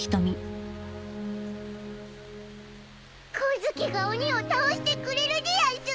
光月が鬼を倒してくれるでやんす！